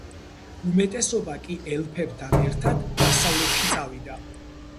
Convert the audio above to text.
უმეტესობა კი ელფებთან ერთად დასავლეთში წავიდა.